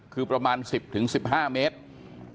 คือประมาณ๑๐๑๕เมตร